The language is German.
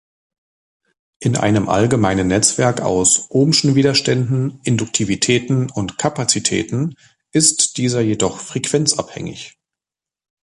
In einem allgemeinen Netzwerk aus ohmschen Widerständen, Induktivitäten und Kapazitäten ist dieser jedoch frequenzabhängig.